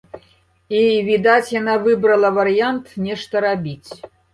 І відаць, яна выбрала варыянт нешта рабіць.